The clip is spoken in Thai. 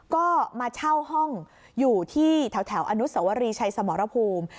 ก็มาเช่าห้องอยู่ที่แถวอนุสวรีชัยสมรภูมิ